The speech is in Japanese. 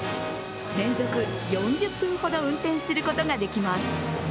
連続４０分ほど運転することができます。